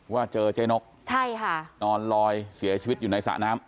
ว่าเจอเจ๊นกใช่ค่ะนอนลอยเสียชีวิตอยู่ในสระน้ำ